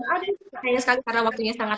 ada karena waktunya sangat